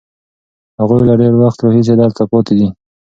هغوی له ډېر وخت راهیسې دلته پاتې دي.